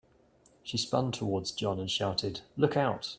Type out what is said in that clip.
She spun towards John and shouted, "Look Out!"